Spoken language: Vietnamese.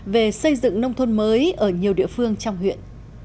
về xây dựng nông thôn mới ở nhiều địa phương trong huyện